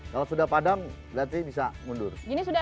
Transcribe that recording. kalau sudah padam berarti bisa mundur